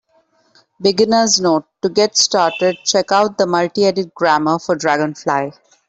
Beginner's note: to get started, check out the multiedit grammar for dragonfly.